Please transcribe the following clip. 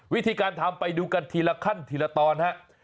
วิธีการทำไปดูกันทีละขั้นทีละตอนฮะ